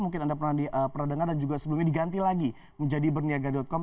mungkin anda pernah dengar dan juga sebelumnya diganti lagi menjadi berniaga com